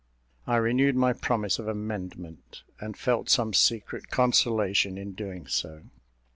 I renewed my promise of amendment, and felt some secret consolation in doing so.